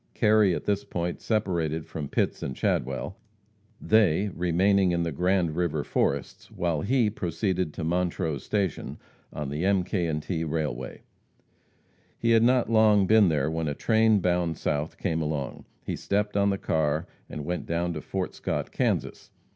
Kerry at this point separated from Pitts and Chadwell, they remaining in the Grand river forests, while he proceeded to Montrose station, on the M., K. & T. railway. He had not long been there when a train bound south came along. He stepped on the car and went down to Fort Scott, Kansas.